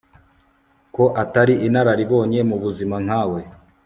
ko atari inararibonye mu buzima nkawe